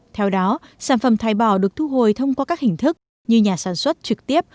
theo đó sản phẩm thải bỏ được thu hồi thông qua các hình thức như nhà sản xuất trực tiếp